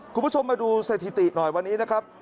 คุณผู้ชมมาดูสถิติหน่อยวันนี้นะครับ